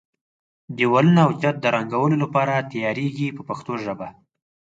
دېوالونه او چت د رنګولو لپاره تیاریږي په پښتو ژبه.